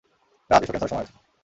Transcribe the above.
রাজ, এসো ট্রেন ছাড়ার সময় হয়েছে।